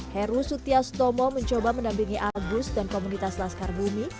heru sutiastomo mencoba menampingi agus dan komunitas laskar bumi